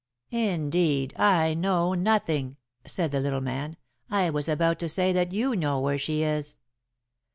"Indeed, I know nothing," said the little man. "I was about to say that you know where she is?"